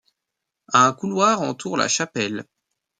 Un couloir entoure la chapelle.